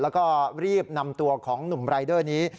แล้วก็รีบนำตัวของหนุ่มรายเดอร์นี้